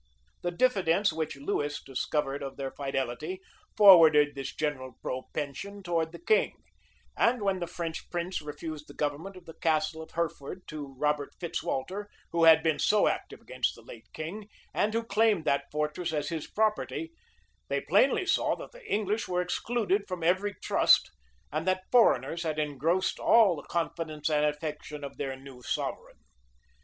The diffidence which Lewis discovered of their fidelity, forwarded this general propension towards the king; and when the French prince refused the government of the castle of Hertford to Robert Fitz Walter, who had been so active against the late king, and who claimed that fortress as his property, they plainly saw that the English were excluded from every trust, and that foreigners had engrossed all the confidence and affection of their new sovereign.